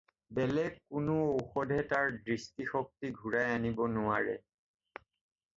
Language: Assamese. বেলেগ কোনো ঔষধে তাৰ দৃষ্টিশক্তি ঘূৰাই আনিব নোৱাৰে।